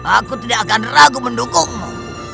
aku tidak akan ragu mendukungmu